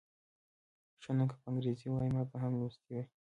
ښه نو که په انګریزي وای ما به هم لوستی و.